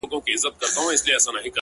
o شاعره خداى دي زما ملگرى كه،